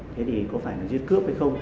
thế thì có phải là giết cướp hay không